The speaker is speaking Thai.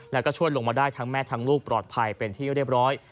แล้วก็ช่วยลงมาได้ทั้งแม่ทั้งลูกปลอดภัยเป็นที่เรียบร้อย